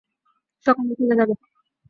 সকালেও খোঁজা যাবে।